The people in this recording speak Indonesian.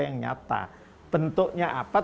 yang nyata tentunya apa